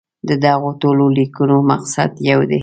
د دغو ټولو لیکنو مقصد یو دی.